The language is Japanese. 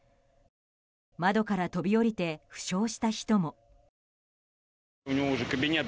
窓から飛び降りて負傷した人も。